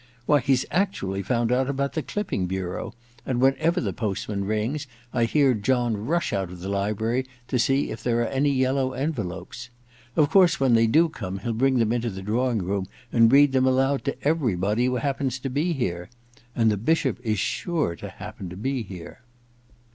Why, he's actually found out about the Clipping Bureau, and whenever the postman rings I hear John rush Out of the library to see if there are any yellow envelopes. Of course, when they do come he'll bring them into the drawing room and read them aloud to everybody who happens to be here — and the Bishop is sure to happen to be here